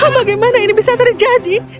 bagaimana ini bisa terjadi